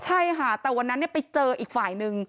ใช่ค่ะแต่วันนั้นไปเจออีกฝ่ายนึง